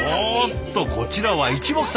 こちらはいちもくさんにＣ！